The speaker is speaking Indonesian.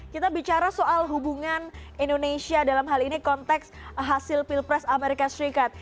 kita bicara soal hubungan indonesia dalam hal ini konteks hasil pilpres amerika serikat